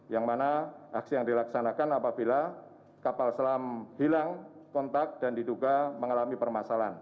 yang mana aksi yang dilaksanakan apabila kapal selam hilang kontak dan diduga mengalami permasalahan